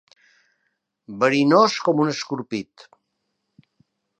Verinós com un escorpit.